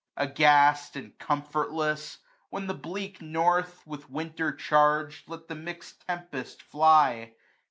Aghast, and comfortless, when the bleak north, 6b With Winter charg'd, let the mix'd tempest fly.